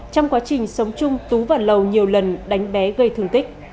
trong quá trình sống chung tú và lầu nhiều lần đánh bé gây thương tích